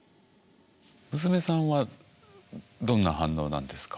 娘さんはどんな反応なんですか？